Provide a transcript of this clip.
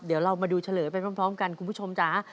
เดี๋ยวเรามาดูเฉลยไปพร้อมกันคุณผู้ชมจ๋า